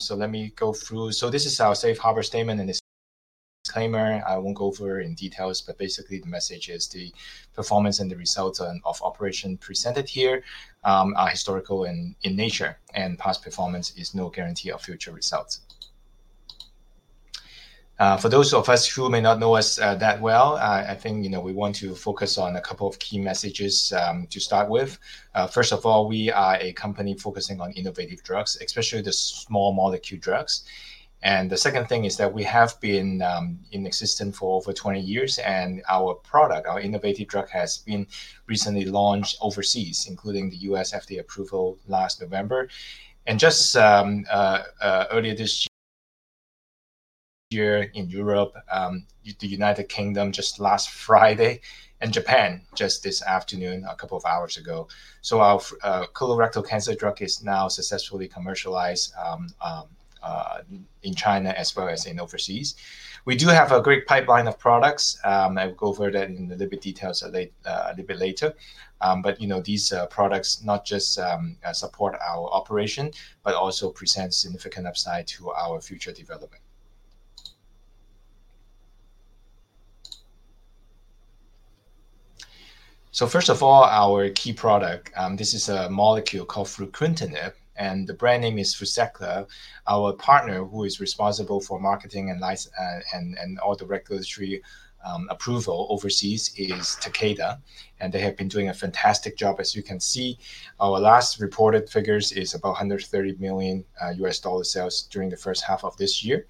So let me go through. This is our safe harbor statement, and this is our disclaimer. I won't go over it in details, but basically, the message is the performance and the results of operations presented here are historical in nature, and past performance is no guarantee of future results. For those of us who may not know us that well, I think, you know, we want to focus on a couple of key messages to start with. First of all, we are a company focusing on innovative drugs, especially the small molecule drugs. The second thing is that we have been in existence for over 20 years, and our product, our innovative drug, has been recently launched overseas, including the U.S. FDA approval last November. And just earlier this year, here in Europe, the United Kingdom just last Friday, and Japan just this afternoon, a couple of hours ago. So our colorectal cancer drug is now successfully commercialized in China as well as in overseas. We do have a great pipeline of products. I will go over that in a little bit, details a little bit later. But you know, these products not just support our operation, but also present significant upside to our future development. So first of all, our key product, this is a molecule called fruquintinib, and the brand name is FRUZAQLA. Our partner, who is responsible for marketing and all the regulatory approval overseas, is Takeda, and they have been doing a fantastic job. As you can see, our last reported figures is about $130 million U.S. dollar sales during the first half of this year,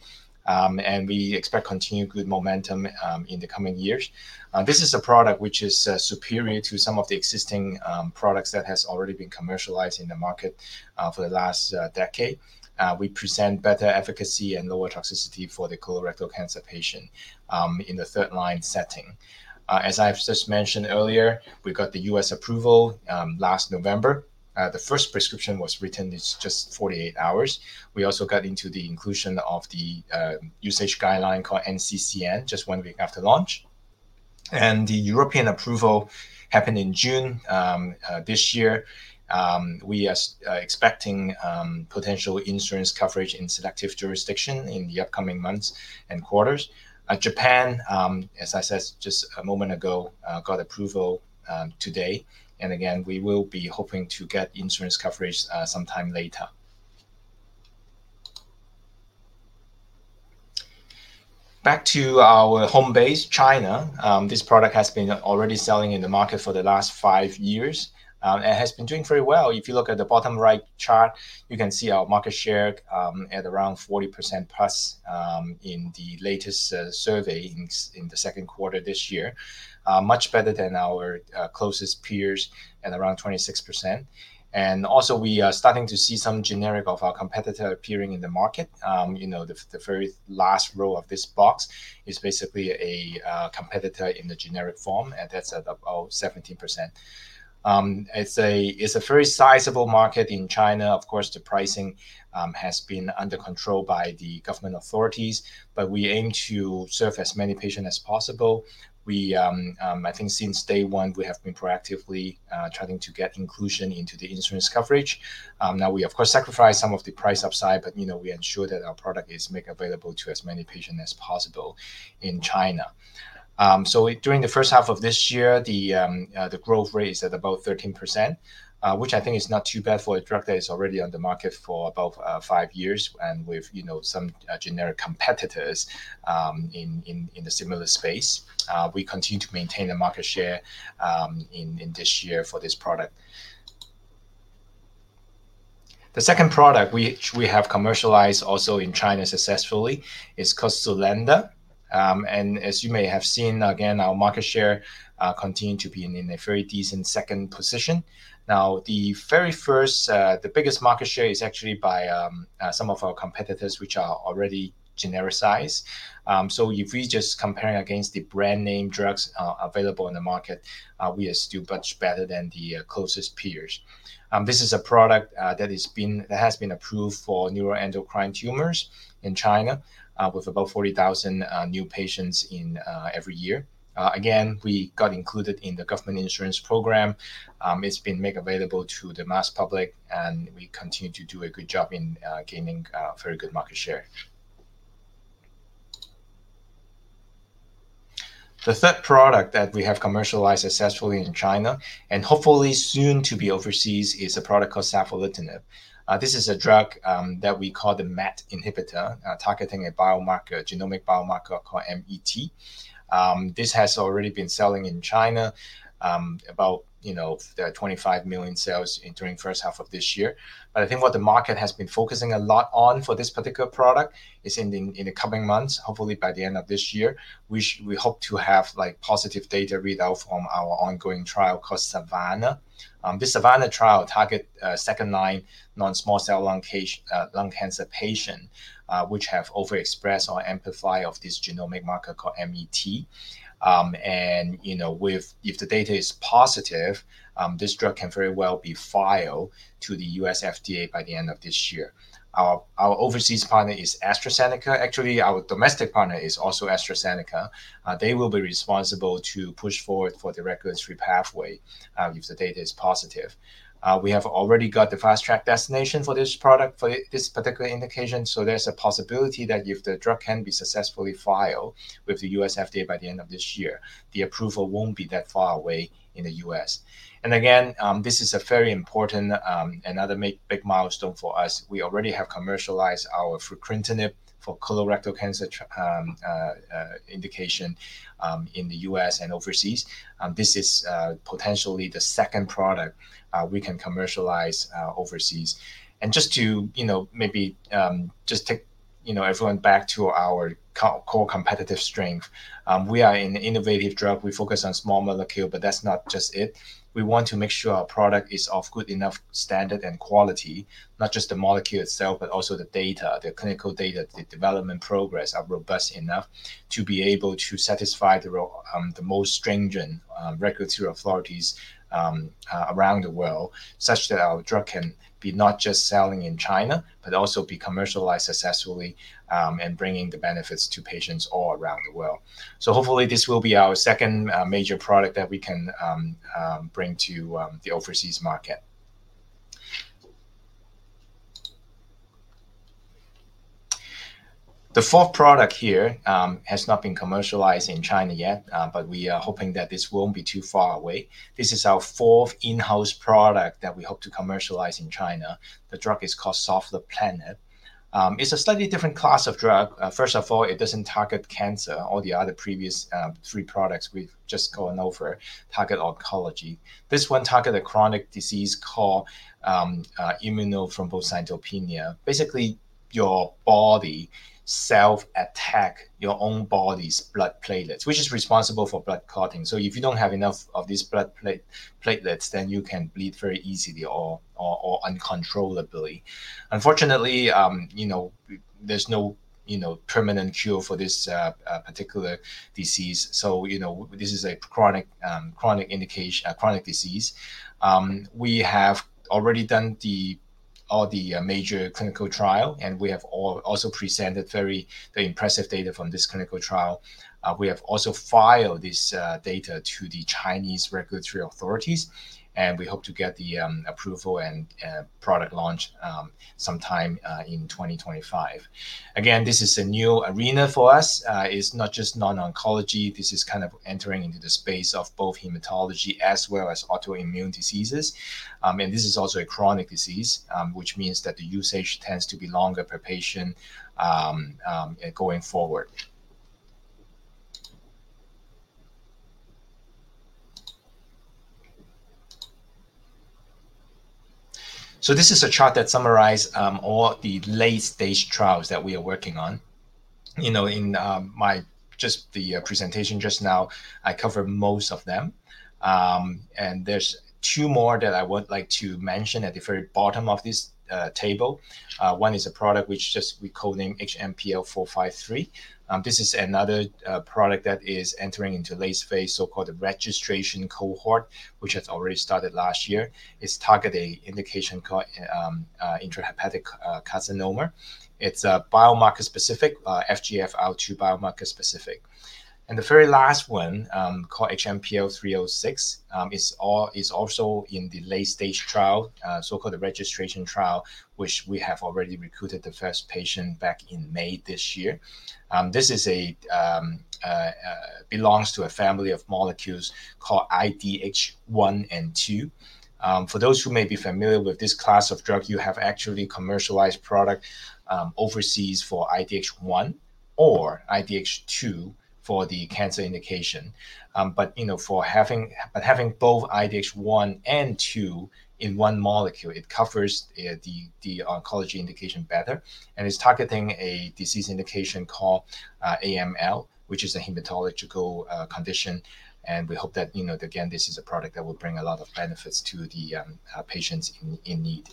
and we expect continued good momentum in the coming years. This is a product which is superior to some of the existing products that has already been commercialized in the market for the last decade. We present better efficacy and lower toxicity for the colorectal cancer patient in the third-line setting. As I've just mentioned earlier, we got the U.S. approval last November. The first prescription was written. It's just 48 hours. We also got into the inclusion of the usage guideline called NCCN just one week after launch, and the European approval happened in June this year. We are expecting potential insurance coverage in selective jurisdiction in the upcoming months and quarters. Japan, as I said just a moment ago, got approval today, and again, we will be hoping to get insurance coverage sometime later. Back to our home base, China, this product has been already selling in the market for the last five years, and has been doing very well. If you look at the bottom right chart, you can see our market share at around 40%+ in the latest survey in the second quarter this year. Much better than our closest peers at around 26%. And also, we are starting to see some generic of our competitor appearing in the market. You know, the very last row of this box is basically a competitor in the generic form, and that's at about 17%. It's a very sizable market in China. Of course, the pricing has been under control by the government authorities, but we aim to serve as many patients as possible. We, I think since day one, we have been proactively trying to get inclusion into the insurance coverage. Now we, of course, sacrifice some of the price upside, but, you know, we ensure that our product is make available to as many patients as possible in China. During the first half of this year, the growth rate is at about 13%, which I think is not too bad for a drug that is already on the market for about five years and with, you know, some generic competitors in a similar space. We continue to maintain the market share in this year for this product. The second product which we have commercialized also in China successfully is called SULANDA, and as you may have seen, again, our market share continue to be in a very decent second position. Now, the biggest market share is actually by some of our competitors, which are already genericized. So if we just comparing against the brand-name drugs, available in the market, we are still much better than the, closest peers. This is a product that has been approved for neuroendocrine tumors in China, with about 40,000 new patients in every year. Again, we got included in the government insurance program. It's been make available to the mass public, and we continue to do a good job in gaining very good market share. The third product that we have commercialized successfully in China, and hopefully soon to be overseas, is a product called savolitinib. This is a drug that we call the MET inhibitor, targeting a biomarker, genomic biomarker called MET. This has already been selling in China, about, you know, 25 million sales in during first half of this year. But I think what the market has been focusing a lot on for this particular product is in the, in the coming months, hopefully by the end of this year, we hope to have, like, positive data readout from our ongoing trial called SAVANNAH. This SAVANNAH trial target, second-line non-small cell lung cancer patient, which have overexpressed or amplify of this genomic marker called MET, and you know, if the data is positive, this drug can very well be filed to the U.S. FDA by the end of this year. Our overseas partner is AstraZeneca. Actually, our domestic partner is also AstraZeneca. They will be responsible to push forward for the regulatory pathway, if the data is positive. We have already got the Fast Track Designation for this product, for this particular indication. So there's a possibility that if the drug can be successfully filed with the U.S. FDA by the end of this year, the approval won't be that far away in the U.S. And again, this is a very important, another big milestone for us. We already have commercialized our fruquintinib for colorectal cancer indication, in the U.S. and overseas. This is potentially the second product we can commercialize overseas. And just to, you know, maybe, just take, you know, everyone back to our core competitive strength. We are an innovative drug. We focus on small molecule, but that's not just it. We want to make sure our product is of good enough standard and quality, not just the molecule itself, but also the data, the clinical data, the development progress are robust enough to be able to satisfy the most stringent regulatory authorities around the world, such that our drug can be not just selling in China, but also be commercialized successfully, and bringing the benefits to patients all around the world, so hopefully, this will be our second major product that we can bring to the overseas market. The fourth product here has not been commercialized in China yet, but we are hoping that this won't be too far away. This is our fourth in-house product that we hope to commercialize in China. The drug is called Sovleplenib. It's a slightly different class of drug. First of all, it doesn't target cancer. All the other previous three products we've just gone over target oncology. This one targets a chronic disease called immune thrombocytopenia. Basically, your body self-attacks your own body's blood platelets, which is responsible for blood clotting. So if you don't have enough of these blood platelets, then you can bleed very easily or uncontrollably. Unfortunately, you know, there's no you know, permanent cure for this particular disease. So, you know, this is a chronic indication, a chronic disease. We have already done all the major clinical trial, and we have also presented very, very impressive data from this clinical trial. We have also filed this data to the Chinese regulatory authorities, and we hope to get the approval and product launch sometime in 2025. Again, this is a new arena for us. It's not just non-oncology. This is kind of entering into the space of both hematology as well as autoimmune diseases. And this is also a chronic disease, which means that the usage tends to be longer per patient going forward. So this is a chart that summarizes all the late-stage trials that we are working on. You know, in my presentation just now, I covered most of them. And there's two more that I would like to mention at the very bottom of this table. One is a product which just we code-named HMPL-453. This is another product that is entering into late phase, so-called registration cohort, which has already started last year. It's targeting an indication called intrahepatic carcinoma. It's a biomarker-specific FGFR2 biomarker-specific. And the very last one called HMPL-306 is also in the late-stage trial, so-called the registration trial, which we have already recruited the first patient back in May this year. This belongs to a family of molecules called IDH1 and IDH2. For those who may be familiar with this class of drug, you have actually commercialized product overseas for IDH1 or IDH2 for the cancer indication. But, you know, having both IDH1 and IDH2 in one molecule, it covers the oncology indication better and is targeting a disease indication called AML, which is a hematological condition. And we hope that, you know, again, this is a product that will bring a lot of benefits to the patients in need.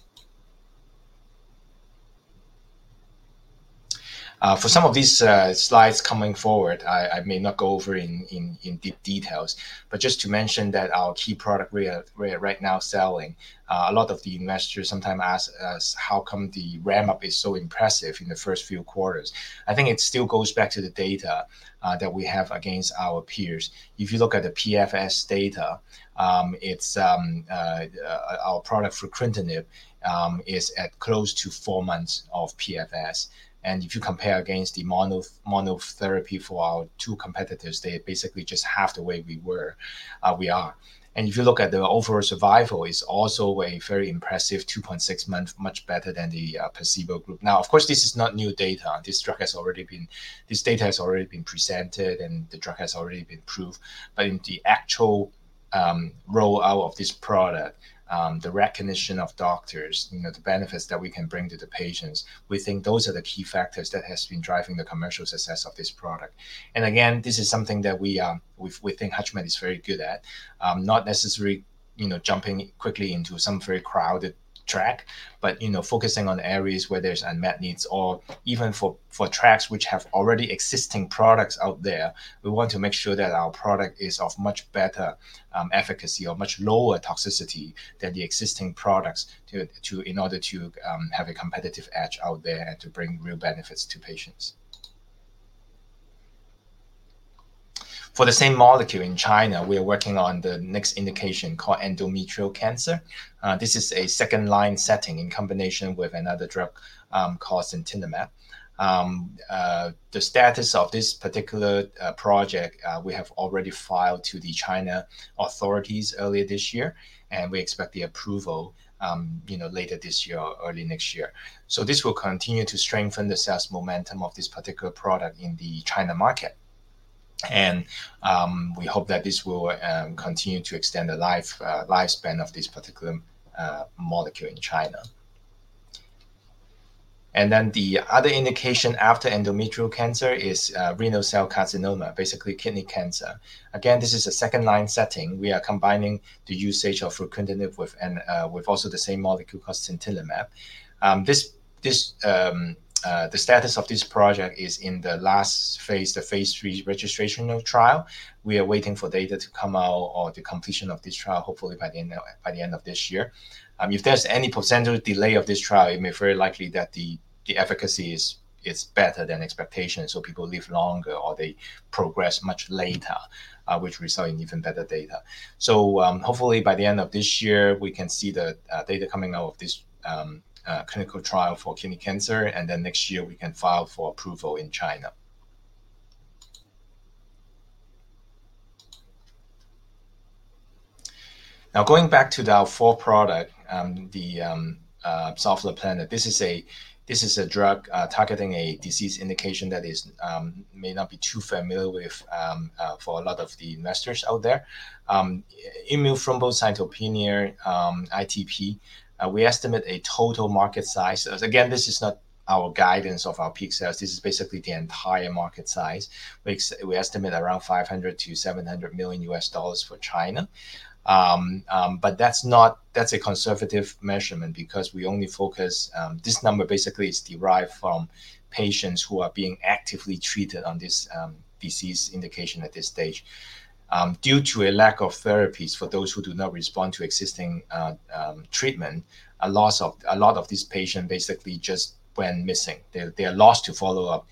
For some of these slides coming forward, I may not go over in deep details, but just to mention that our key product we are right now selling. A lot of the investors sometimes ask us how come the ramp-up is so impressive in the first few quarters. I think it still goes back to the data that we have against our peers. If you look at the PFS data, it's our product fruquintinib is at close to four months of PFS. And if you compare against the monotherapy for our two competitors, they basically just half the way we were, we are. And if you look at the overall survival, it's also a very impressive 2.6 month, much better than the placebo group. Now, of course, this is not new data. This drug has already been this data has already been presented, and the drug has already been approved. But in the actual rollout of this product, the recognition of doctors, you know, the benefits that we can bring to the patients, we think those are the key factors that has been driving the commercial success of this product. And again, this is something that we think HUTCHMED is very good at. Not necessarily, you know, jumping quickly into some very crowded track, but, you know, focusing on areas where there's unmet needs or even for tracks which have already existing products out there, we want to make sure that our product is of much better efficacy or much lower toxicity than the existing products to in order to have a competitive edge out there and to bring real benefits to patients. For the same molecule in China, we are working on the next indication called endometrial cancer. This is a second-line setting in combination with another drug called sintilimab. The status of this particular project, we have already filed to the China authorities earlier this year, and we expect the approval, you know, later this year or early next year. So this will continue to strengthen the sales momentum of this particular product in the China market. And, we hope that this will continue to extend the lifespan of this particular molecule in China. And then the other indication after endometrial cancer is, renal cell carcinoma, basically kidney cancer. Again, this is a second-line setting. We are combining the usage of fruquintinib with and, with also the same molecule called sintilimab. This, the status of this project is in the last phase, the phase III registration trial. We are waiting for data to come out or the completion of this trial, hopefully by the end of this year. If there's any potential delay of this trial, it may very likely that the efficacy is better than expectations, so people live longer or they progress much later, which result in even better data. So, hopefully, by the end of this year, we can see the data coming out of this clinical trial for kidney cancer, and then next year we can file for approval in China. Now, going back to our fourth product, the Sovleplenib, this is a drug targeting a disease indication that may not be too familiar to a lot of the investors out there. Immune thrombocytopenia, ITP, we estimate a total market size. Again, this is not our guidance of our peak sales, this is basically the entire market size, which we estimate around $500 million-$700 million for China. But that's not. That's a conservative measurement because we only focus. This number basically is derived from patients who are being actively treated on this, disease indication at this stage. Due to a lack of therapies for those who do not respond to existing, treatment, a lot of these patients basically just went missing. They are lost to follow-up.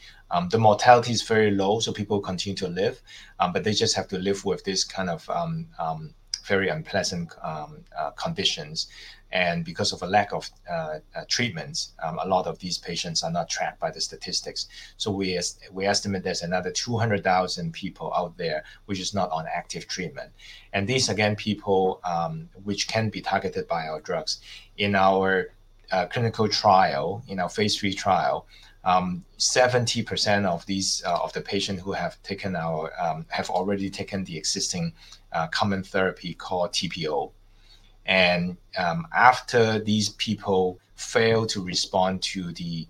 The mortality is very low, so people continue to live, but they just have to live with this kind of, very unpleasant, conditions. And because of a lack of treatments, a lot of these patients are not tracked by the statistics. So we estimate there's another 200,000 people out there, which is not on active treatment. And these, again, people which can be targeted by our drugs. In our clinical trial, in our phase III trial, 70% of these of the patient who have already taken the existing common therapy called TPO. And after these people fail to respond to the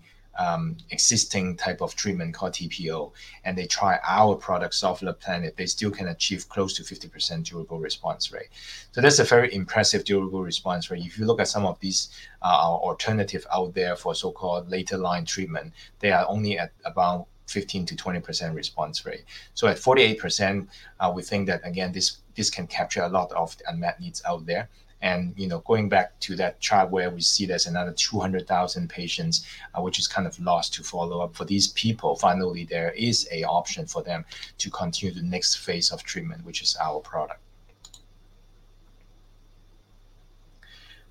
existing type of treatment called TPO, and they try our product, Sovleplenib, they still can achieve close to 50% durable response rate. So that's a very impressive durable response rate. If you look at some of these alternative out there for so-called later line treatment, they are only at about 15%-20% response rate. So at 48%, we think that, again, this, this can capture a lot of the unmet needs out there. And you know, going back to that chart where we see there's another 200,000 patients, which is kind of lost to follow-up, for these people, finally, there is an option for them to continue the next phase of treatment, which is our product.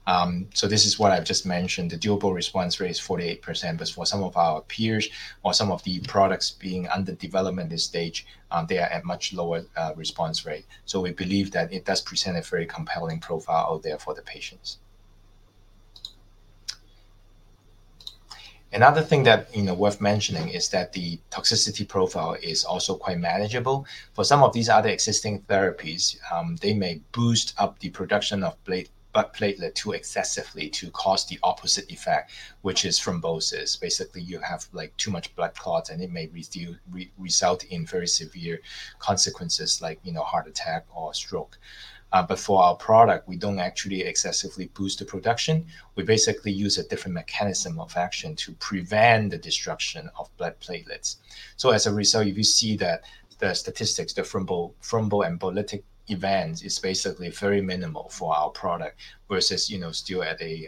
So this is what I've just mentioned. The durable response rate is 48%, but for some of our peers or some of the products being under development this stage, they are at much lower response rate. So we believe that it does present a very compelling profile out there for the patients. Another thing that, you know, worth mentioning is that the toxicity profile is also quite manageable. For some of these other existing therapies, they may boost up the production of blood platelets too excessively to cause the opposite effect, which is thrombosis. Basically, you have, like, too much blood clots, and it may result in very severe consequences like, you know, heart attack or stroke. But for our product, we don't actually excessively boost the production. We basically use a different mechanism of action to prevent the destruction of blood platelets. So as a result, if you see that the statistics, the thromboembolic events, is basically very minimal for our product versus, you know, still at a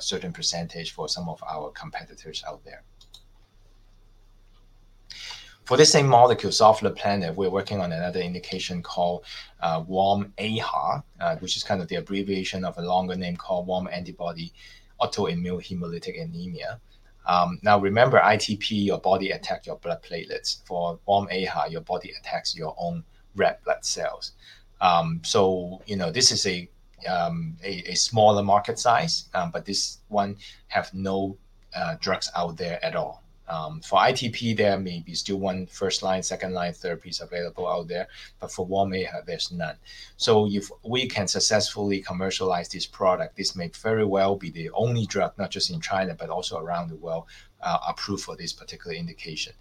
certain percentage for some of our competitors out there. For this same molecule, Sovleplenib, we're working on another indication called warm AIHA, which is kind of the abbreviation of a longer name called warm antibody autoimmune hemolytic anemia. Now, remember, ITP, your body attack your blood platelets. For warm AIHA, your body attacks your own red blood cells. So, you know, this is a smaller market size, but this one have no drugs out there at all. For ITP, there may be still one first-line, second-line therapies available out there, but for warm AIHA, there's none. So if we can successfully commercialize this product, this may very well be the only drug, not just in China, but also around the world, approved for this particular indication.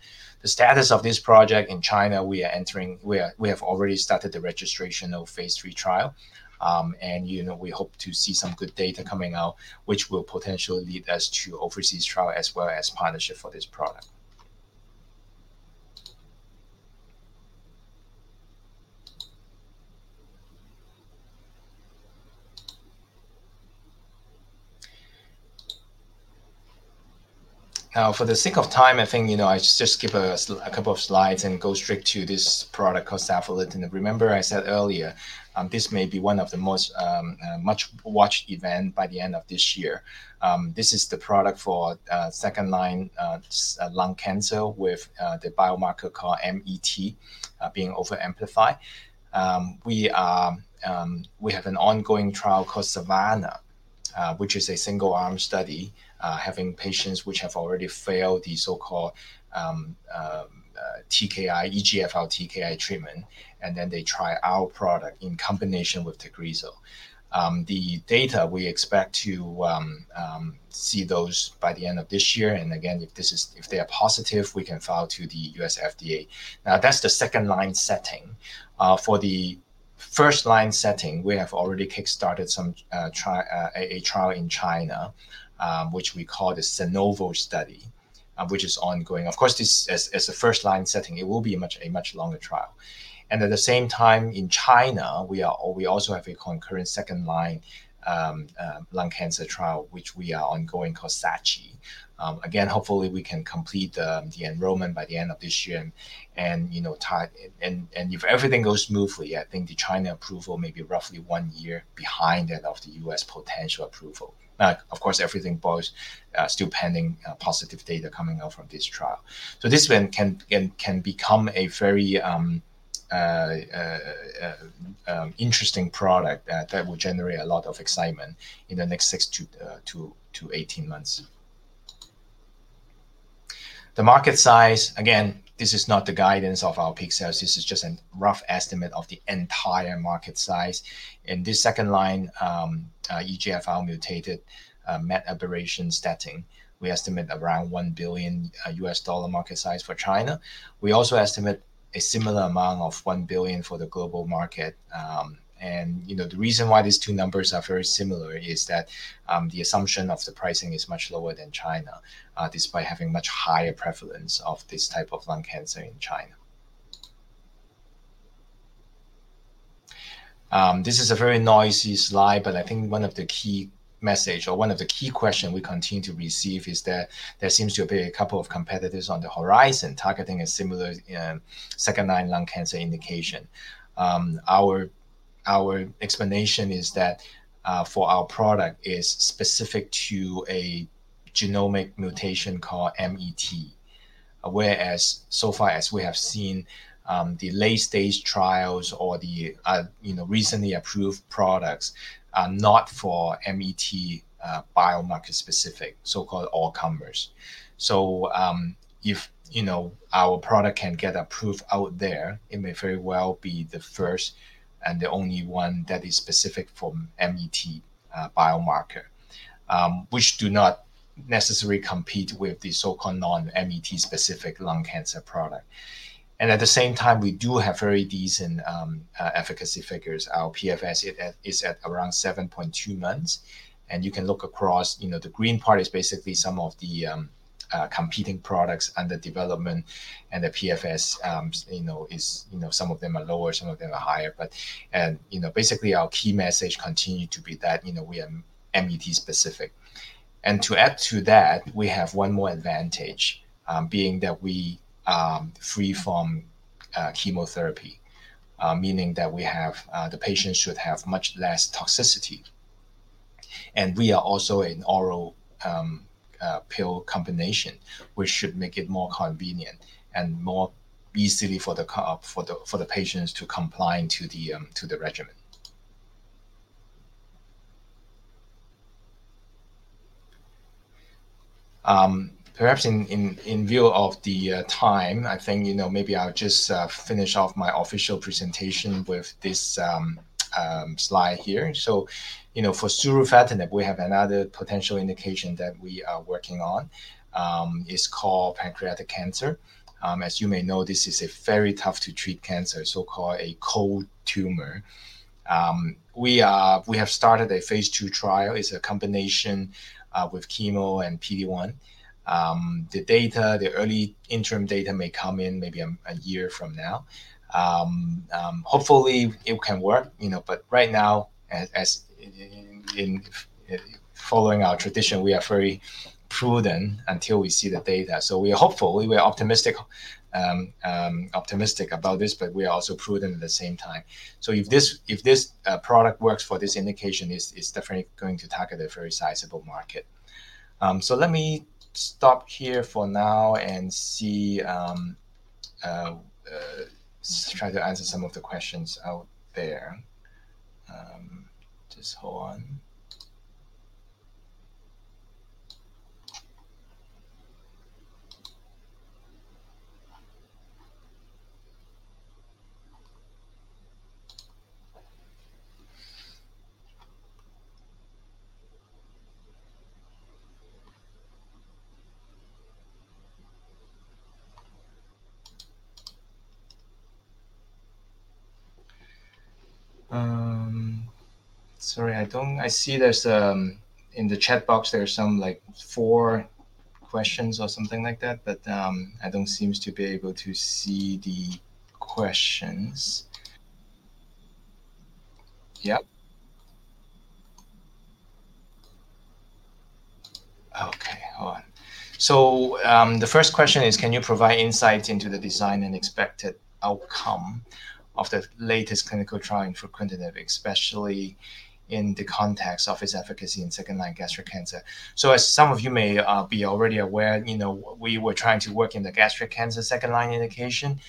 The status of this project in China, we have already started the registrational phase III trial. You know, we hope to see some good data coming out, which will potentially lead us to overseas trial as well as partnership for this product. Now, for the sake of time, I think, you know, I just skip a couple of slides and go straight to this product called savolitinib. Remember I said earlier, this may be one of the most-watched event by the end of this year. This is the product for second line lung cancer with the biomarker called MET being over amplified. We have an ongoing trial called SAVANNAH, which is a single-arm study having patients which have already failed the so-called TKI, EGFR TKI treatment, and then they try our product in combination with TAGRISSO. The data we expect to see those by the end of this year, and again, if they are positive, we can file to the U.S. FDA. Now, that's the second-line setting. For the first-line setting, we have already kickstarted a trial in China, which we call the SANOVO study, which is ongoing. Of course, this as a first-line setting, it will be a much longer trial. And at the same time, in China, we also have a concurrent second-line lung cancer trial, which we are ongoing, called SACHI. Again, hopefully, we can complete the enrollment by the end of this year and, you know, tie. If everything goes smoothly, I think the China approval may be roughly one year behind that of the U.S. potential approval. Of course, everything but still pending positive data coming out from this trial. This one can become a very interesting product that will generate a lot of excitement in the next six to 18 months. The market size, again, this is not the guidance of our peak sales. This is just a rough estimate of the entire market size. In this second-line EGFR-mutated MET aberration setting, we estimate around $1 billion market size for China. We also estimate a similar amount of $1 billion for the global market. And, you know, the reason why these two numbers are very similar is that the assumption of the pricing is much lower than China, despite having much higher prevalence of this type of lung cancer in China. This is a very noisy slide, but I think one of the key message or one of the key question we continue to receive is that there seems to be a couple of competitors on the horizon targeting a similar, second-line lung cancer indication. Our explanation is that for our product is specific to a genomic mutation called MET, whereas so far as we have seen, the late-stage trials or the, you know, recently approved products are not for MET biomarker specific, so-called all comers. If, you know, our product can get approved out there, it may very well be the first and the only one that is specific for MET biomarker, which do not necessarily compete with the so-called non-MET-specific lung cancer product. At the same time, we do have very decent efficacy figures. Our PFS is at around 7.2 months, and you can look across, you know, the green part is basically some of the competing products under development, and the PFS, you know, is, you know, some of them are lower, some of them are higher, but... Basically, our key message continue to be that, you know, we are MET specific. And to add to that, we have one more advantage, being that we are free from chemotherapy, meaning that the patient should have much less toxicity. And we are also an oral pill combination, which should make it more convenient and more easily for the patients to comply to the regimen. Perhaps in view of the time, I think, you know, maybe I'll just finish off my official presentation with this slide here. So, you know, for surufatinib, we have another potential indication that we are working on, it's called pancreatic cancer. As you may know, this is a very tough to treat cancer, so-called a cold tumor. We have started a phase II trial. It's a combination with chemo and PD-1. The data, the early interim data may come in maybe a year from now. Hopefully, it can work, you know, but right now, as in following our tradition, we are very prudent until we see the data. So we are hopeful. We are optimistic about this, but we are also prudent at the same time. So if this product works for this indication, it's definitely going to target a very sizable market. So let me stop here for now and see, try to answer some of the questions out there. Just hold on. Sorry, I don't. I see there's in the chat box, there are some, like, four questions or something like that, but I don't seems to be able to see the questions. Yep. Okay, hold on. So the first question is: Can you provide insight into the design and expected outcome of the latest clinical trial for fruquintinib, especially in the context of its efficacy in second-line gastric cancer? So as some of you may be already aware, you know, we were trying to work in the gastric cancer second-line indication.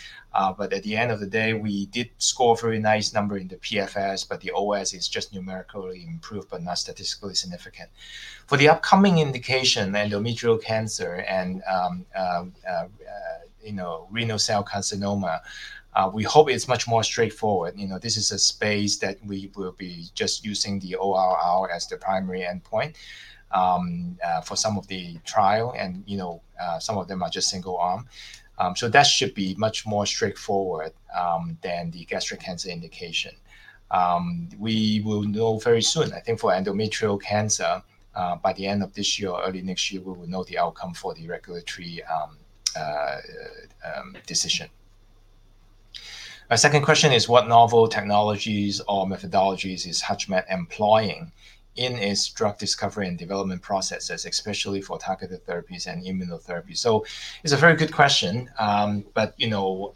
But at the end of the day, we did score a very nice number in the PFS, but the OS is just numerically improved, but not statistically significant. For the upcoming indication, endometrial cancer and you know, renal cell carcinoma, we hope it's much more straightforward. You know, this is a space that we will be just using the ORR as the primary endpoint for some of the trial, and, you know, some of them are just single arm. So that should be much more straightforward than the gastric cancer indication. We will know very soon. I think for endometrial cancer, by the end of this year or early next year, we will know the outcome for the regulatory decision. Our second question is: What novel technologies or methodologies is HUTCHMED employing in its drug discovery and development processes, especially for targeted therapies and immunotherapy? So it's a very good question, but, you know,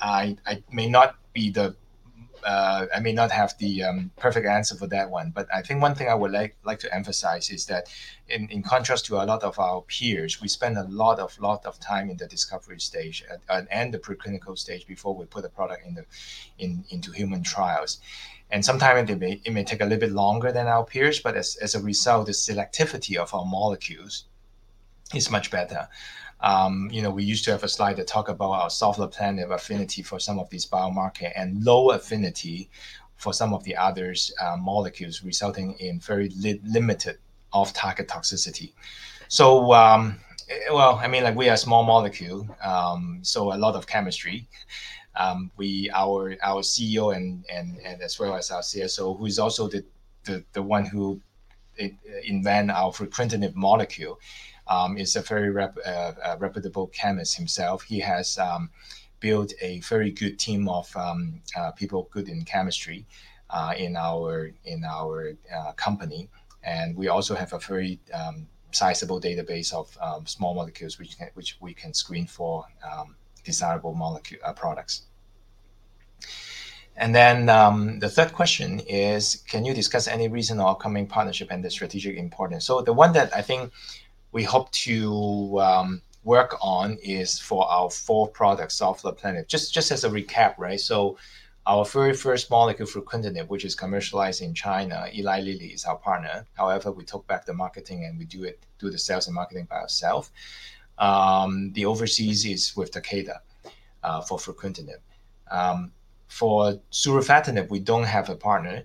I may not have the perfect answer for that one. But I think one thing I would like to emphasize is that in contrast to a lot of our peers, we spend a lot of time in the discovery stage and the preclinical stage before we put a product into human trials. And sometimes it may take a little bit longer than our peers, but as a result, the selectivity of our molecules is much better. You know, we used to have a slide that talk about our selective affinity for some of these biomarker, and low affinity for some of the others, molecules, resulting in very limited off-target toxicity. So, well, I mean, like, we are a small molecule, so a lot of chemistry. We, our CEO and as well as our CSO, who is also the one who invent our fruquintinib molecule, is a very reputable chemist himself. He has built a very good team of people good in chemistry in our company. And we also have a very sizable database of small molecules which we can screen for desirable molecule products. And then the third question is: Can you discuss any recent or upcoming partnership and the strategic importance? So the one that I think we hope to work on is for our fourth product, Sovleplenib. Just as a recap, right? So our very first molecule, fruquintinib, which is commercialized in China. Eli Lilly is our partner. However, we took back the marketing, and we do the sales and marketing by ourselves. The overseas is with Takeda for fruquintinib. For surufatinib, we don't have a partner.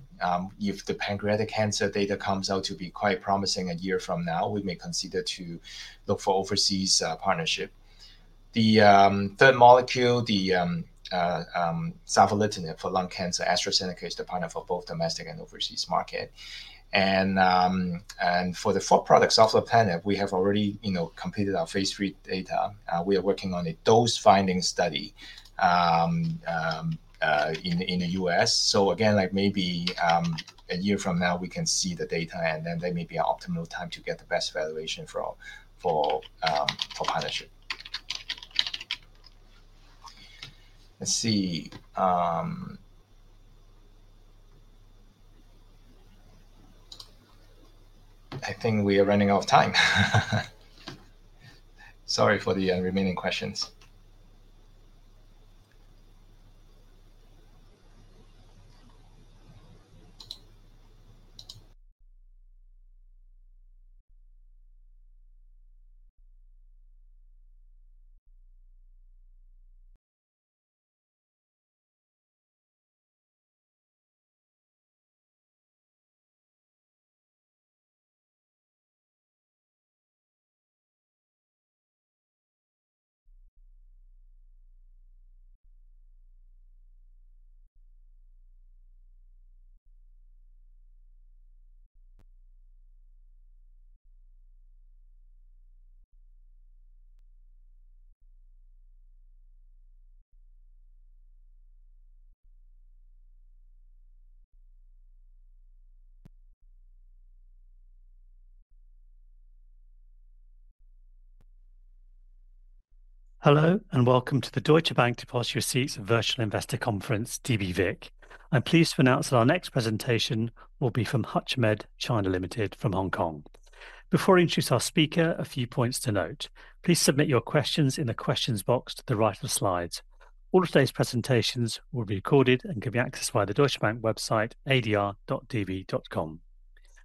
If the pancreatic cancer data comes out to be quite promising a year from now, we may consider to look for overseas partnership. The third molecule, savolitinib for lung cancer, AstraZeneca is the partner for both domestic and overseas market. And for the fourth product, Sovleplenib, we have already, you know, completed our phase III data. We are working on a dose-finding study in the U.S. So again, like, maybe a year from now, we can see the data, and then that may be an optimal time to get the best valuation for partnership. Let's see. I think we are running out of time. Sorry for the remaining questions. Hello, and welcome to the Deutsche Bank Depositary Receipts Virtual Investor Conference, dbVIC. I'm pleased to announce that our next presentation will be from HUTCHMED China Limited from Hong Kong. Before I introduce our speaker, a few points to note. Please submit your questions in the questions box to the right of the slides. All of today's presentations will be recorded and can be accessed via the Deutsche Bank website, adr.db.com.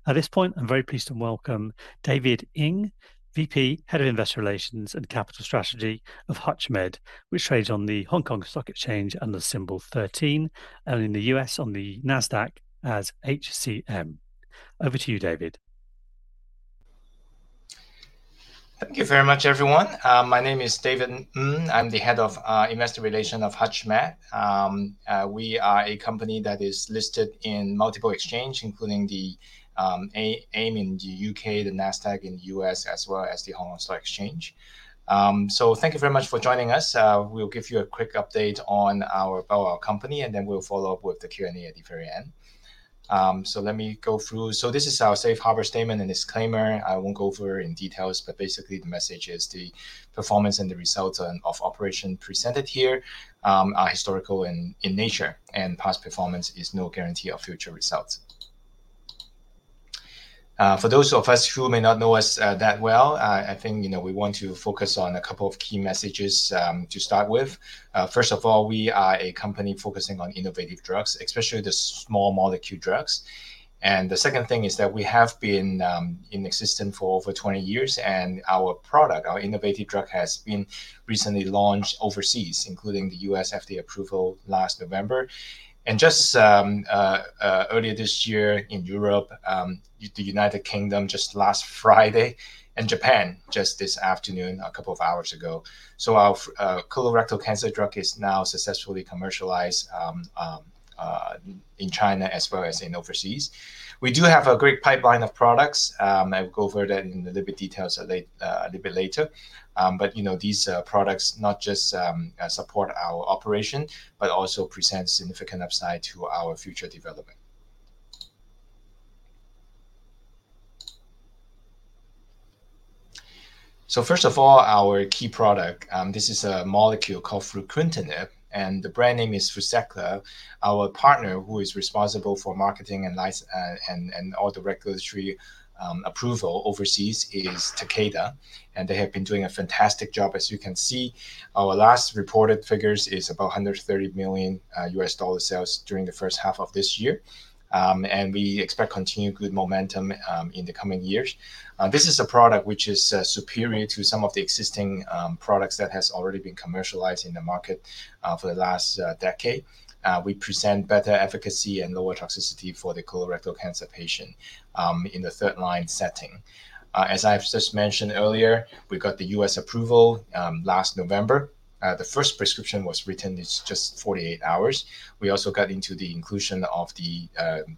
At this point, I'm very pleased to welcome David Ng, VP, Head of Investor Relations and Capital Strategy of HUTCHMED, which trades on the Hong Kong Stock Exchange under the symbol 13, and in the U.S. on the Nasdaq as HCM. Over to you, David. Thank you very much, everyone. My name is David Ng. I'm the Head of Investor Relations of HUTCHMED. We are a company that is listed in multiple exchange, including the AIM in the U.K., the Nasdaq in the U.S., as well as the Hong Kong Stock Exchange. So thank you very much for joining us. We'll give you a quick update about our company, and then we'll follow up with the Q&A at the very end. So let me go through. So this is our safe harbor statement and disclaimer. I won't go over it in details, but basically, the message is: the performance and the results and of operation presented here are historical in nature, and past performance is no guarantee of future results. For those of us who may not know us that well, I think, you know, we want to focus on a couple of key messages to start with. First of all, we are a company focusing on innovative drugs, especially the small molecule drugs. And the second thing is that we have been in existence for over 20 years, and our product, our innovative drug, has been recently launched overseas, including the U.S. FDA approval last November, and just earlier this year in Europe, the United Kingdom just last Friday, and Japan just this afternoon, a couple of hours ago. So our colorectal cancer drug is now successfully commercialized in China, as well as in overseas. We do have a great pipeline of products. I will go over that in a little bit details a little bit later. But, you know, these products not just support our operation, but also present significant upside to our future development. So first of all, our key product, this is a molecule called fruquintinib, and the brand name is FRUZAQLA. Our partner, who is responsible for marketing and all the regulatory approval overseas is Takeda, and they have been doing a fantastic job. As you can see, our last reported figures is about $130 million U.S. dollar sales during the first half of this year. And we expect continued good momentum in the coming years. This is a product which is superior to some of the existing products that has already been commercialized in the market for the last decade. We present better efficacy and lower toxicity for the colorectal cancer patient in the third-line setting. As I've just mentioned earlier, we got the U.S. approval last November. The first prescription was written this just 48 hours. We also got into the inclusion of the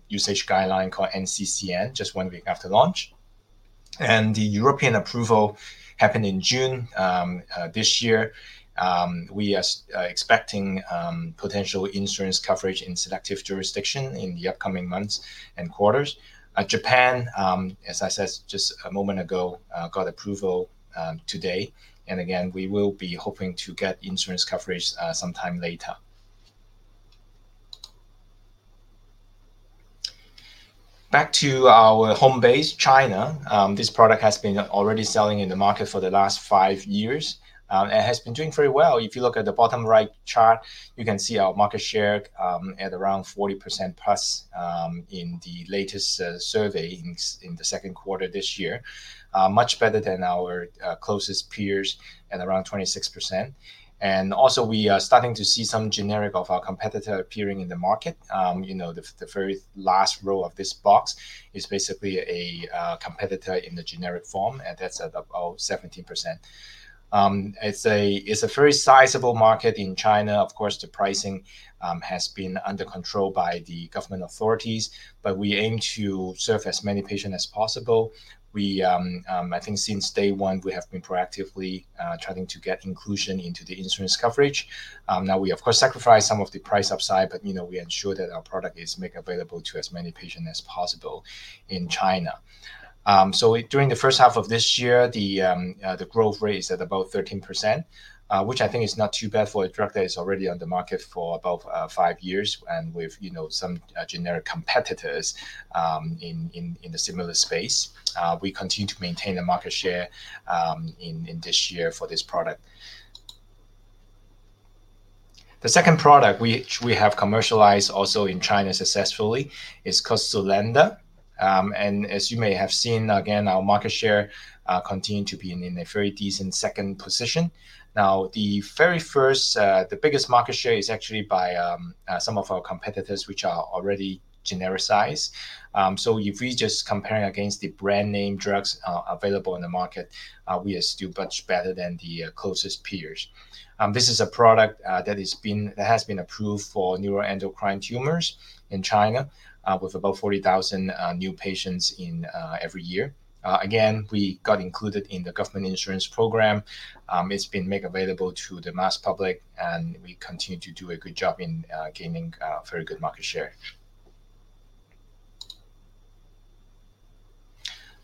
usage guideline called NCCN just one week after launch, and the European approval happened in June this year. We are expecting potential insurance coverage in selective jurisdiction in the upcoming months and quarters. Japan, as I said just a moment ago, got approval today, and again, we will be hoping to get insurance coverage sometime later. Back to our home base, China. This product has been already selling in the market for the last five years and has been doing very well. If you look at the bottom right chart, you can see our market share at around 40%+ in the latest survey in the second quarter this year. Much better than our closest peers at around 26%. And also, we are starting to see some generic of our competitor appearing in the market. You know, the very last row of this box is basically a competitor in the generic form, and that's at about 17%. It's a very sizable market in China. Of course, the pricing has been under control by the government authorities, but we aim to serve as many patients as possible. We, I think since day one, we have been proactively trying to get inclusion into the insurance coverage. Now we, of course, sacrifice some of the price upside, but, you know, we ensure that our product is made available to as many patients as possible in China. So during the first half of this year, the growth rate is at about 13%, which I think is not too bad for a drug that is already on the market for about five years and with, you know, some generic competitors in a similar space. We continue to maintain the market share in this year for this product. The second product, which we have commercialized also in China successfully, is called SULANDA. And as you may have seen, again, our market share continue to be in a very decent second position. Now, the biggest market share is actually by some of our competitors, which are already genericized. So if we're just comparing against the brand-name drugs available in the market, we are still much better than the closest peers. This is a product that has been approved for neuroendocrine tumors in China, with about 40,000 new patients every year. Again, we got included in the government insurance program. It's been made available to the mass public, and we continue to do a good job in gaining very good market share.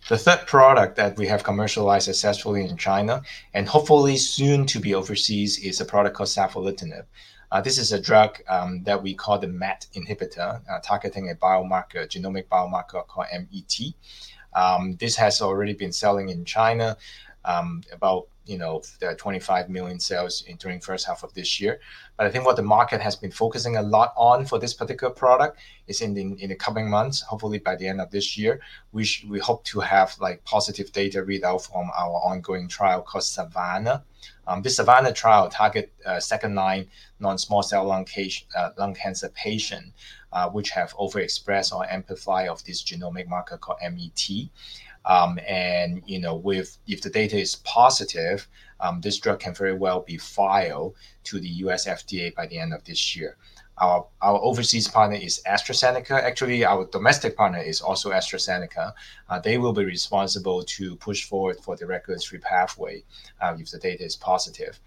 The third product that we have commercialized successfully in China, and hopefully soon to be overseas, is a product called savolitinib. This is a drug that we call the MET inhibitor targeting a biomarker, genomic biomarker called MET. This has already been selling in China, about, you know, $25 million sales during first half of this year. But I think what the market has been focusing a lot on for this particular product is in the, in the coming months, hopefully by the end of this year, we hope to have, like, positive data readout from our ongoing trial called SAVANNAH. The SAVANNAH trial targets second-line non-small cell lung cancer patients, which have overexpression or amplification of this genomic biomarker called MET. And, you know, if the data is positive, this drug can very well be filed to the U.S. FDA by the end of this year. Our overseas partner is AstraZeneca. Actually, our domestic partner is also AstraZeneca. They will be responsible to push forward for the regulatory pathway, if the data is positive.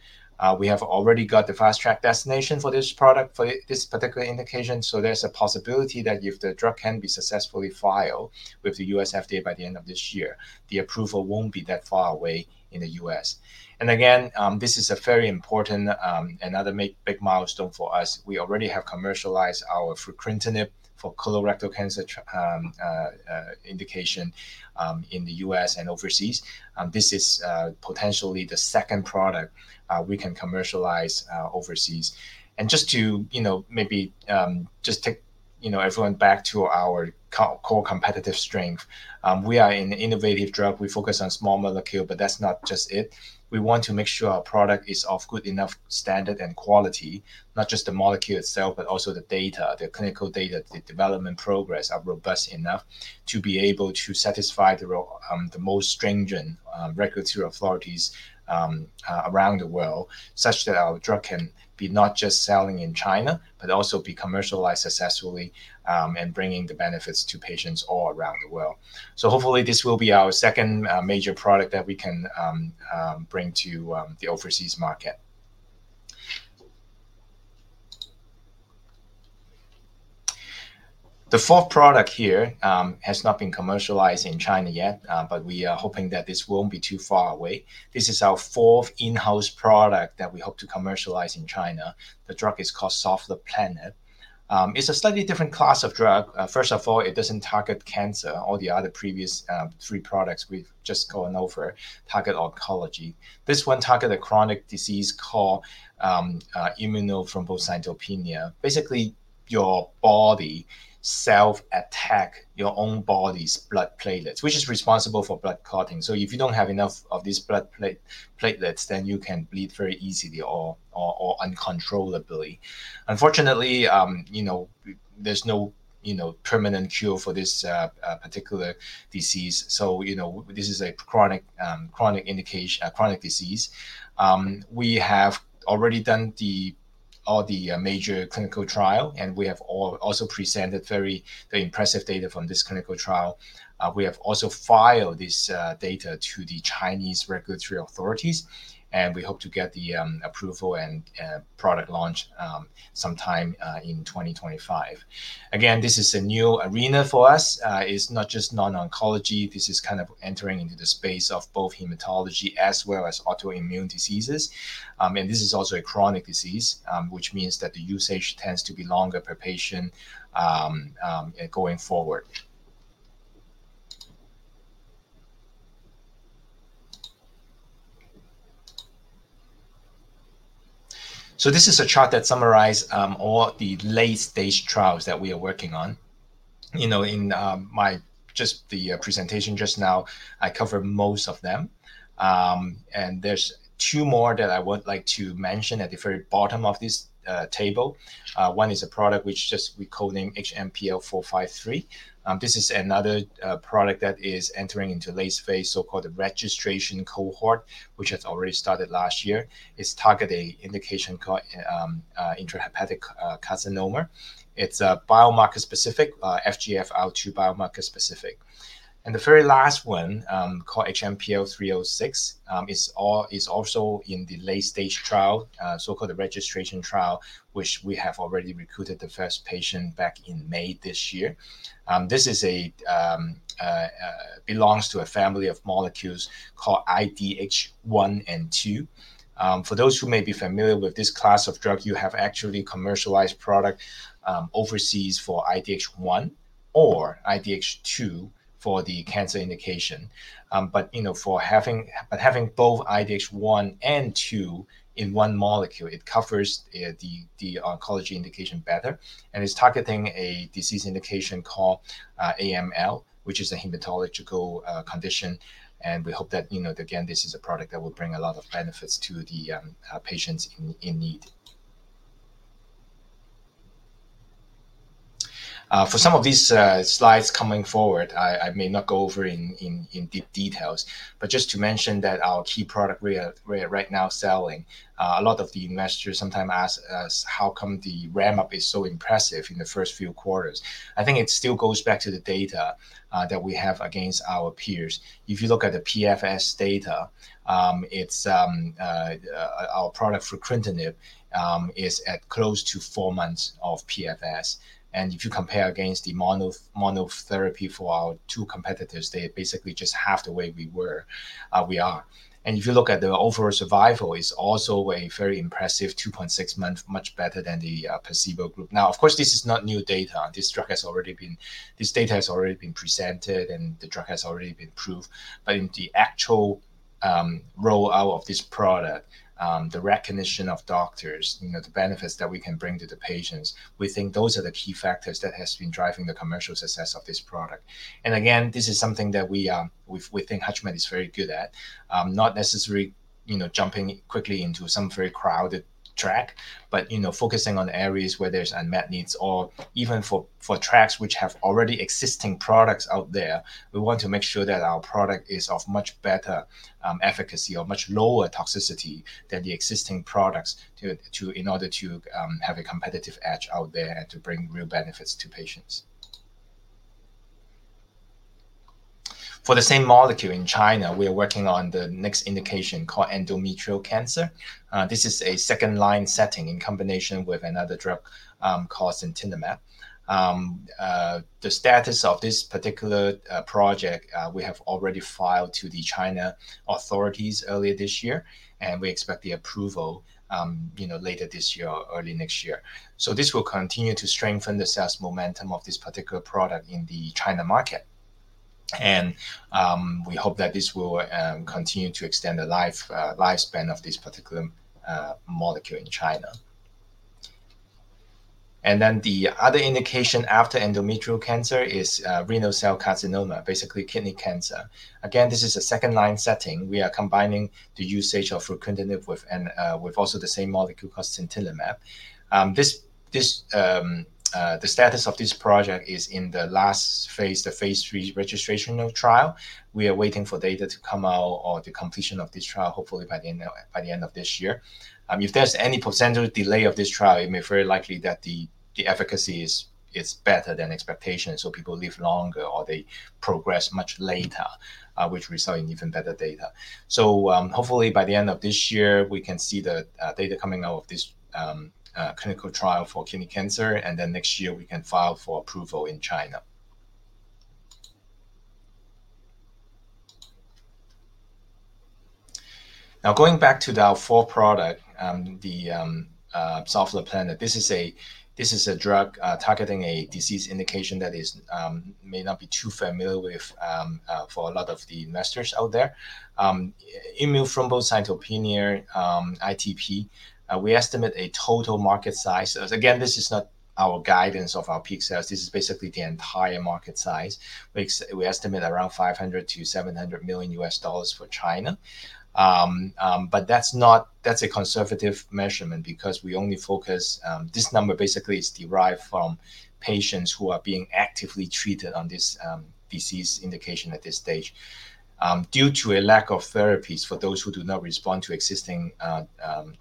We have already got the Fast Track Designation for this product, for this particular indication, so there's a possibility that if the drug can be successfully filed with the U.S. FDA by the end of this year, the approval won't be that far away in the U.S., and again, this is a very important, another big milestone for us. We already have commercialized our fruquintinib for colorectal cancer indication, in the U.S. and overseas. This is, potentially the second product, we can commercialize, overseas, and just to, you know, maybe, just take, you know, everyone back to our core competitive strength. We are an innovative drug. We focus on small molecule, but that's not just it. We want to make sure our product is of good enough standard and quality, not just the molecule itself, but also the data, the clinical data, the development progress are robust enough to be able to satisfy the most stringent regulatory authorities around the world, such that our drug can be not just selling in China, but also be commercialized successfully and bringing the benefits to patients all around the world. So hopefully, this will be our second major product that we can bring to the overseas market. The fourth product here has not been commercialized in China yet, but we are hoping that this won't be too far away. This is our fourth in-house product that we hope to commercialize in China. The drug is called Sovleplenib. It's a slightly different class of drug. First of all, it doesn't target cancer. All the other previous three products we've just gone over target oncology. This one target a chronic disease called immune thrombocytopenia. Basically, your body self-attack your own body's blood platelets, which is responsible for blood clotting. So if you don't have enough of these blood platelets, then you can bleed very easily or uncontrollably. Unfortunately, you know, there's no, you know, permanent cure for this particular disease. So, you know, this is a chronic, chronic indication... a chronic disease. We have already done all the major clinical trial, and we have also presented very, very impressive data from this clinical trial. We have also filed this data to the Chinese regulatory authorities, and we hope to get the approval and product launch sometime in 2025. Again, this is a new arena for us. It's not just non-oncology. This is kind of entering into the space of both hematology as well as autoimmune diseases. And this is also a chronic disease, which means that the usage tends to be longer per patient going forward. So this is a chart that summarize all the late-stage trials that we are working on. You know, in my just the presentation just now, I covered most of them. And there's two more that I would like to mention at the very bottom of this table. One is a product which just we code-named HMPL-453. This is another product that is entering into late phase, so-called the registration cohort, which has already started last year. It's target a indication called intrahepatic carcinoma. It's biomarker-specific FGFR2 biomarker-specific. And the very last one called HMPL-306 is also in the late-stage trial so-called the registration trial, which we have already recruited the first patient back in May this year. This is a belongs to a family of molecules called IDH1 and IDH2. For those who may be familiar with this class of drug, you have actually commercialized product overseas for IDH1 or IDH2 for the cancer indication. But, you know, for having. But having both IDH1 and IDH2 in one molecule, it covers the oncology indication better, and it's targeting a disease indication called AML, which is a hematological condition. And we hope that, you know, again, this is a product that will bring a lot of benefits to the patients in need. For some of these slides coming forward, I may not go over in deep details, but just to mention that our key product we are right now selling. A lot of the investors sometimes ask us how come the ramp-up is so impressive in the first few quarters? I think it still goes back to the data that we have against our peers. If you look at the PFS data, it's our product fruquintinib is at close to four months of PFS. And if you compare against the monotherapy for our two competitors, they're basically just half the way we were, we are. And if you look at the overall survival, it's also a very impressive 2.6 month, much better than the placebo group. Now, of course, this is not new data. This data has already been presented, and the drug has already been approved. But in the actual roll-out of this product, the recognition of doctors, you know, the benefits that we can bring to the patients, we think those are the key factors that has been driving the commercial success of this product. And again, this is something that we think HUTCHMED is very good at. Not necessarily, you know, jumping quickly into some very crowded track, but, you know, focusing on areas where there's unmet needs, or even for tracks which have already existing products out there, we want to make sure that our product is of much better efficacy or much lower toxicity than the existing products in order to have a competitive edge out there and to bring real benefits to patients. For the same molecule in China, we are working on the next indication called endometrial cancer. This is a second-line setting in combination with another drug called sintilimab. The status of this particular project, we have already filed to the China authorities earlier this year, and we expect the approval, you know, later this year or early next year. So this will continue to strengthen the sales momentum of this particular product in the China market. And, we hope that this will continue to extend the life, lifespan of this particular molecule in China. And then the other indication after endometrial cancer is, renal cell carcinoma, basically kidney cancer. Again, this is a second-line setting. We are combining the usage of fruquintinib with and, with also the same molecule called sintilimab. This, the status of this project is in the last phase, the phase III registration trial. We are waiting for data to come out or the completion of this trial, hopefully by the end of this year. If there's any potential delay of this trial, it may very likely that the efficacy is better than expectations, so people live longer or they progress much later, which result in even better data. Hopefully, by the end of this year, we can see the data coming out of this clinical trial for kidney cancer, and then next year we can file for approval in China. Now, going back to our fourth product, the Sovleplenib, this is a drug targeting a disease indication that may not be too familiar with for a lot of the investors out there. Immune thrombocytopenia, ITP, we estimate a total market size. Again, this is not our guidance of our peak sales. This is basically the entire market size, which we estimate around $500 million-$700 million for China. But that's not-- that's a conservative measurement because we only focus. This number basically is derived from patients who are being actively treated on this disease indication at this stage. Due to a lack of therapies for those who do not respond to existing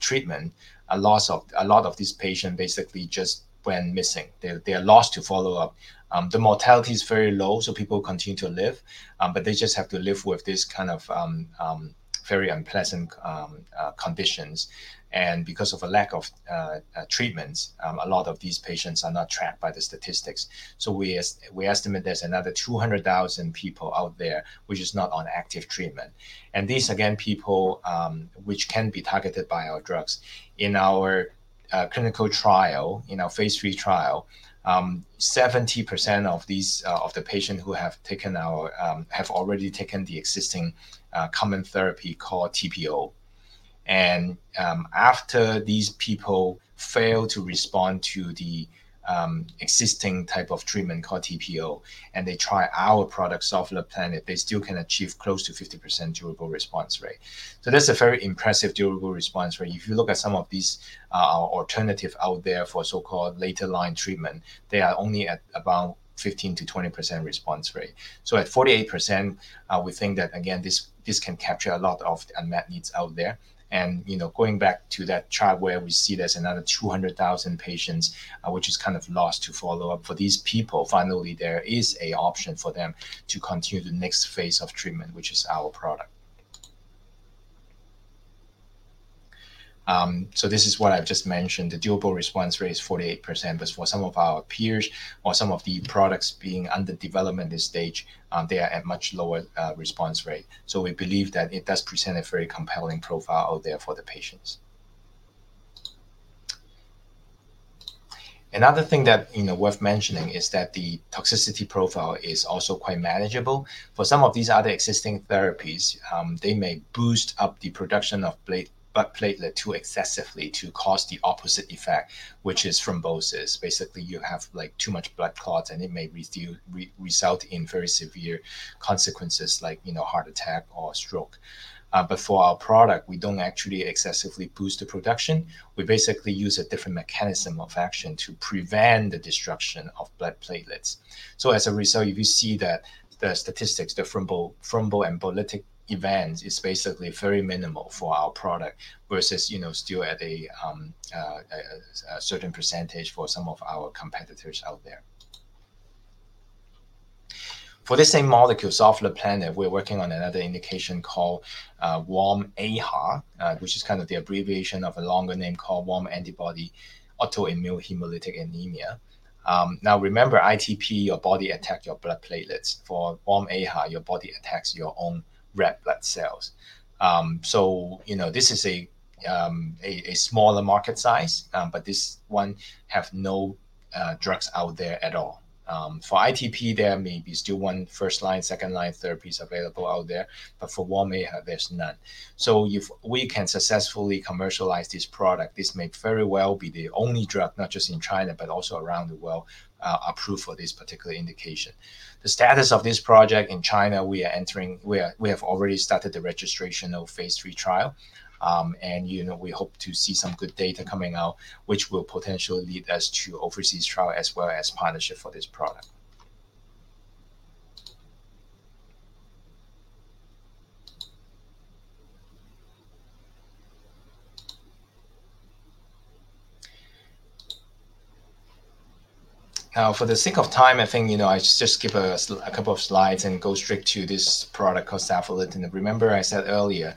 treatment, a loss of-- a lot of these patients basically just went missing. They're, they are lost to follow-up. The mortality is very low, so people continue to live, but they just have to live with this kind of very unpleasant conditions. And because of a lack of treatments, a lot of these patients are not tracked by the statistics. So we estimate there's another 200,000 people out there which is not on active treatment. And these, again, people which can be targeted by our drugs. In our clinical trial, in our phase III trial, 70% of these of the patients who have taken our have already taken the existing common therapy called TPO. And after these people fail to respond to the existing type of treatment called TPO, and they try our product, Sovleplenib, they still can achieve close to 50% durable response rate. So that's a very impressive durable response rate. If you look at some of these, alternative out there for so-called later line treatment, they are only at about 15%-20% response rate, so at 48%, we think that again, this can capture a lot of the unmet needs out there. And, you know, going back to that chart where we see there's another 200,000 patients, which is kind of lost to follow-up, for these people, finally, there is an option for them to continue the next phase of treatment, which is our product, so this is what I've just mentioned. The durable response rate is 48%, but for some of our peers or some of the products being under development this stage, they are at much lower response rate, so we believe that it does present a very compelling profile out there for the patients. Another thing that, you know, worth mentioning is that the toxicity profile is also quite manageable. For some of these other existing therapies, they may boost up the production of platelets too excessively to cause the opposite effect, which is thrombosis. Basically, you have, like, too much blood clots, and it may result in very severe consequences like, you know, heart attack or stroke. But for our product, we don't actually excessively boost the production. We basically use a different mechanism of action to prevent the destruction of blood platelets. So as a result, if you see that the statistics, the thromboembolic events, is basically very minimal for our product versus, you know, still at a certain percentage for some of our competitors out there.... For this same molecule, Sovleplenib, we're working on another indication warm AIHA, which is kind of the abbreviation of a longer name called warm antibody autoimmune hemolytic anemia. Now, remember ITP, your body attack your blood platelets. warm AIHA, your body attacks your own red blood cells. So, you know, this is a smaller market size, but this one have no drugs out there at all. For ITP, there may be still one first line, second line therapies available out there, but warm AIHA, there's none. So if we can successfully commercialize this product, this may very well be the only drug, not just in China, but also around the world, approved for this particular indication. The status of this project in China, we have already started the registration of phase III trial. And, you know, we hope to see some good data coming out, which will potentially lead us to overseas trial as well as partnership for this product. Now, for the sake of time, I think, you know, I just skip a couple of slides and go straight to this product called savolitinib. Remember I said earlier,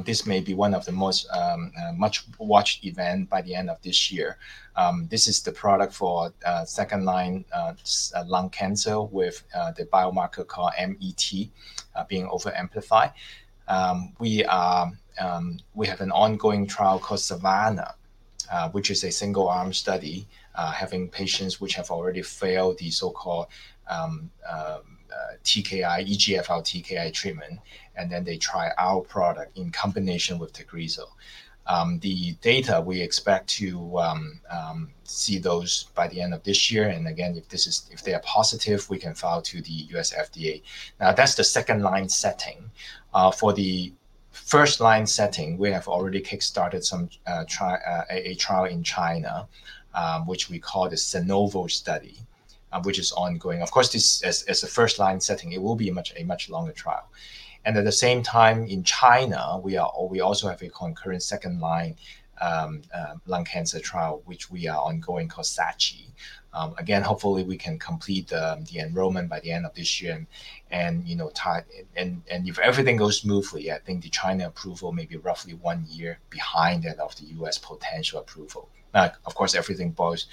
this may be one of the most much-watched event by the end of this year. This is the product for second-line lung cancer with the biomarker called MET being overamplified. We have an ongoing trial called SAVANNAH, which is a single-arm study having patients which have already failed the so-called TKI, EGFR TKI treatment, and then they try our product in combination with TAGRISSO. The data, we expect to see those by the end of this year, and again, if this is, if they are positive, we can file to the U.S. FDA. Now, that's the second-line setting. For the first-line setting, we have already kickstarted a trial in China, which we call the SANOVO study, which is ongoing. Of course, this, as a first-line setting, it will be a much longer trial. And at the same time, in China, we also have a concurrent second-line lung cancer trial, which we are ongoing, called SACHI. Again, hopefully, we can complete the enrollment by the end of this year, and, you know, if everything goes smoothly, I think the China approval may be roughly one year behind that of the U.S. potential approval. Of course, everything, but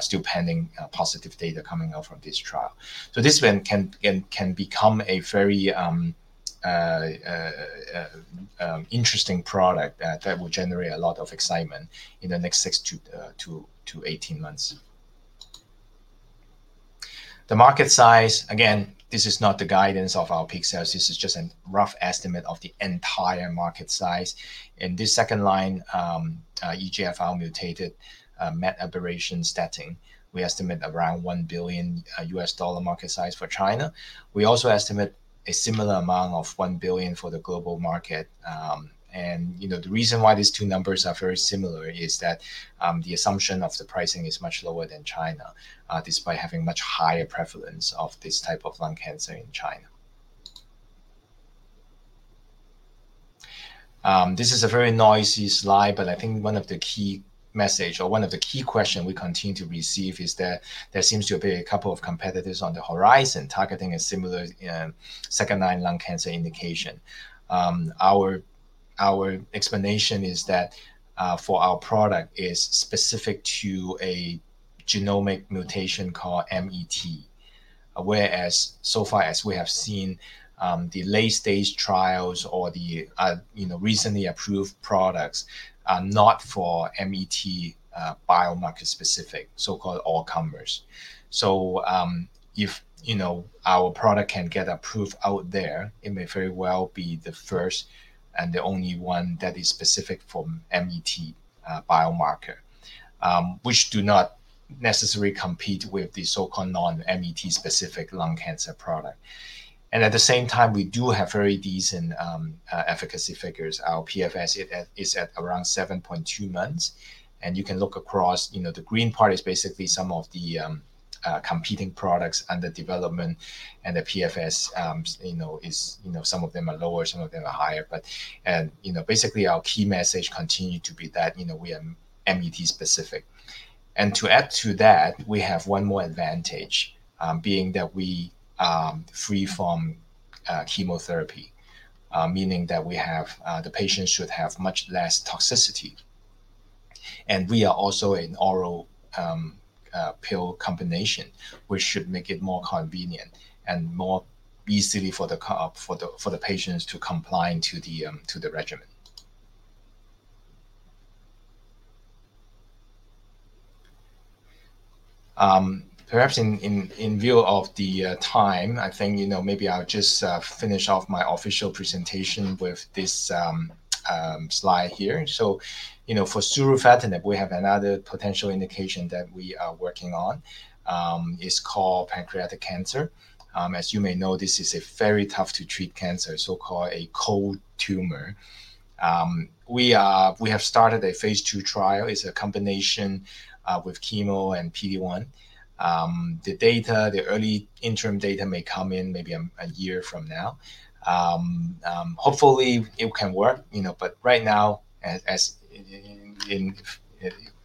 still pending positive data coming out from this trial. So this one can become a very interesting product that will generate a lot of excitement in the next six to 18 months. The market size, again, this is not the guidance of our peak sales. This is just a rough estimate of the entire market size. In this second-line EGFR mutated MET aberration setting, we estimate around $1 billion market size for China. We also estimate a similar amount of $1 billion for the global market, and, you know, the reason why these two numbers are very similar is that the assumption of the pricing is much lower than China, despite having much higher prevalence of this type of lung cancer in China. This is a very noisy slide, but I think one of the key message or one of the key question we continue to receive is that there seems to be a couple of competitors on the horizon targeting a similar second-line lung cancer indication. Our explanation is that for our product is specific to a genomic mutation called MET, whereas so far as we have seen, the late-stage trials or the, you know, recently approved products are not for MET biomarker specific, so-called all comers. So, if you know, our product can get approved out there, it may very well be the first and the only one that is specific for MET biomarker, which do not necessarily compete with the so-called non-MET-specific lung cancer product. And at the same time, we do have very decent efficacy figures. Our PFS is at around 7.2 months, and you can look across, you know, the green part is basically some of the competing products under development, and the PFS, you know, is, you know, some of them are lower, some of them are higher, but, and, you know, basically, our key message continue to be that, you know, we are MET specific. And to add to that, we have one more advantage, being that we are free from chemotherapy, meaning that we have the patient should have much less toxicity. And we are also an oral pill combination, which should make it more convenient and more easily for the patients to comply to the regimen. Perhaps in view of the time, I think, you know, maybe I'll just finish off my official presentation with this slide here. So, you know, for surufatinib, we have another potential indication that we are working on. It's called pancreatic cancer. As you may know, this is a very tough to treat cancer, so-called a cold tumor. We have started a phase II trial. It's a combination with chemo and PD-1. The data, the early interim data may come in maybe a year from now. Hopefully, it can work, you know, but right now,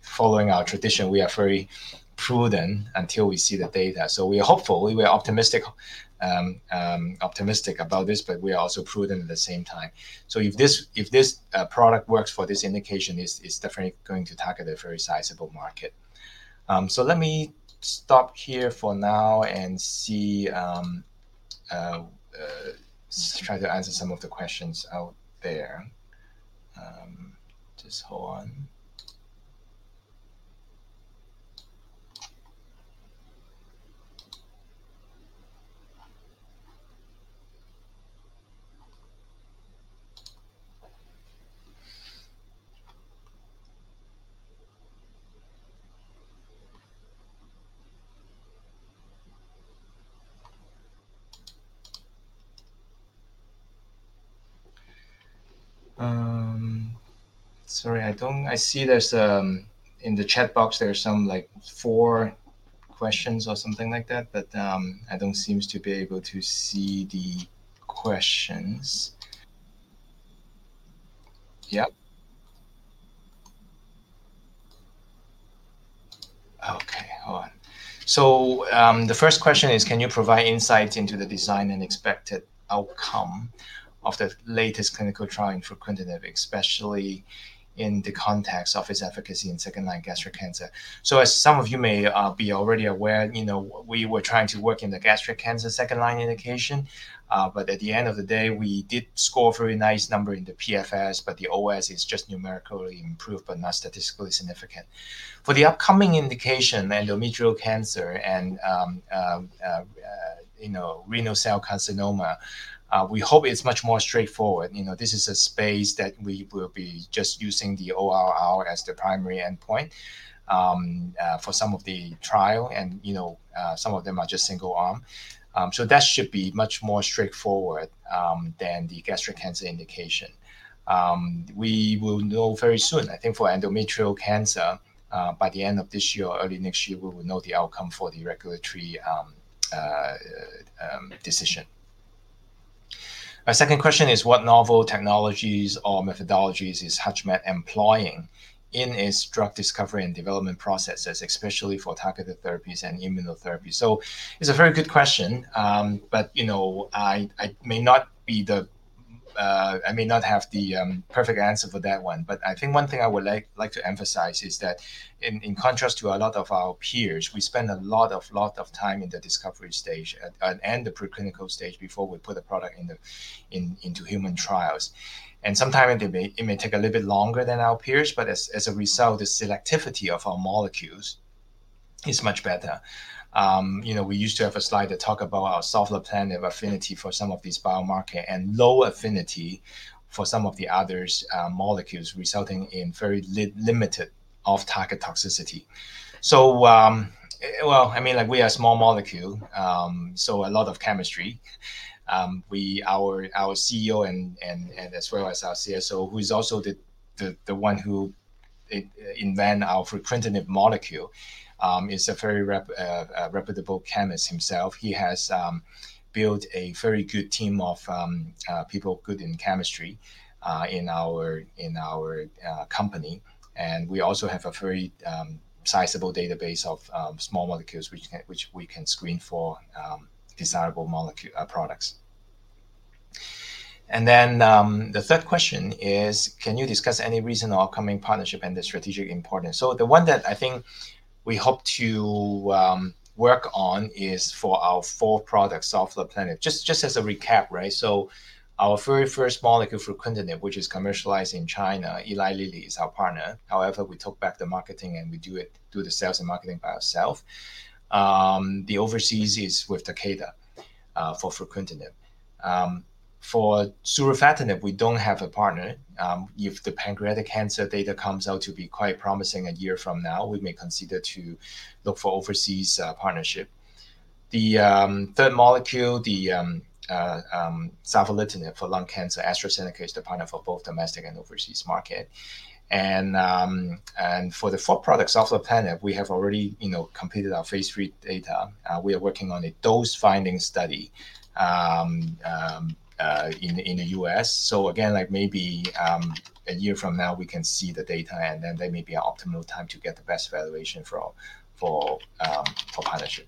following our tradition, we are very prudent until we see the data. So we are hopeful, we are optimistic about this, but we are also prudent at the same time. So if this product works for this indication, it's definitely going to target a very sizable market. So let me stop here for now and try to answer some of the questions out there. Just hold on. Sorry, I don't--I see there's, in the chat box, there are some, like, four questions or something like that, but, I don't seem to be able to see the questions. Yep. Okay, hold on. So, the first question is: Can you provide insight into the design and expected outcome of the latest clinical trial for fruquintinib, especially in the context of its efficacy in second-line gastric cancer? So as some of you may be already aware, you know, we were trying to work in the gastric cancer second-line indication, but at the end of the day, we did score a very nice number in the PFS, but the OS is just numerically improved, but not statistically significant. For the upcoming indication, endometrial cancer and, you know, renal cell carcinoma, we hope it's much more straightforward. You know, this is a space that we will be just using the ORR as the primary endpoint, for some of the trial and, you know, some of them are just single arm. So that should be much more straightforward, than the gastric cancer indication. We will know very soon. I think for endometrial cancer, by the end of this year or early next year, we will know the outcome for the regulatory, decision. Our second question is: What novel technologies or methodologies is HUTCHMED employing in its drug discovery and development processes, especially for targeted therapies and immunotherapy? So it's a very good question, but, you know, I may not be the. I may not have the perfect answer for that one, but I think one thing I would like to emphasize is that in contrast to a lot of our peers, we spend a lot of time in the discovery stage and the preclinical stage before we put a product into human trials. Sometimes it may take a little bit longer than our peers, but as a result, the selectivity of our molecules is much better. You know, we used to have a slide that talk about our selective affinity for some of these biomarker, and low affinity for some of the others, molecules, resulting in very limited off-target toxicity. So, well, I mean, like, we are a small molecule, so a lot of chemistry. Our CEO and as well as our CSO, who is also the one who invented our fruquintinib molecule, is a very reputable chemist himself. He has built a very good team of people good in chemistry in our company. And we also have a very sizable database of small molecules which we can screen for desirable molecule products. And then the third question is: Can you discuss any recent or upcoming partnership and the strategic importance? So the one that I think we hope to work on is for our fourth product, Sovleplenib. Just as a recap, right? So our very first molecule, fruquintinib, which is commercialized in China. Eli Lilly is our partner. However, we took back the marketing, and we do the sales and marketing by ourself. The overseas is with Takeda for fruquintinib. For surufatinib, we don't have a partner. If the pancreatic cancer data comes out to be quite promising a year from now, we may consider to look for overseas partnership. The third molecule, savolitinib for lung cancer, AstraZeneca is the partner for both domestic and overseas market. And for the fourth product, Sovleplenib, we have already, you know, completed our phase III data. We are working on a dose-finding study in the U.S. So again, like, maybe a year from now, we can see the data, and then that may be an optimal time to get the best valuation for partnership.